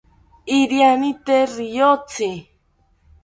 Iriani tee riyotzi